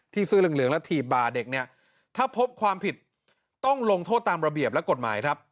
เสื้อเหลืองและถีบบ่าเด็กเนี่ยถ้าพบความผิดต้องลงโทษตามระเบียบและกฎหมายครับ